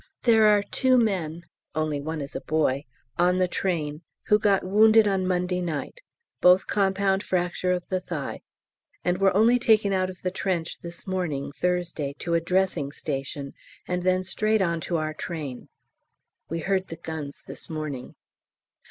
There are two men (only one is a boy) on the train who got wounded on Monday night (both compound fracture of the thigh) and were only taken out of the trench this morning, Thursday, to a Dressing Station and then straight on to our train. (We heard the guns this morning.)